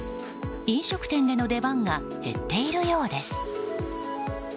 飲食店での出番が減っているようです。